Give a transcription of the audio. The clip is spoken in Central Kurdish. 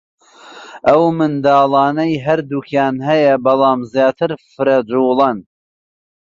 ئەو منداڵانەی هەردووکیان هەیە بەلام زیاتر فرەجووڵەن